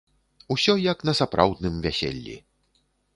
Усё, як на сапраўдным вяселлі!